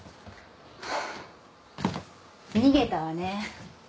逃げたわね。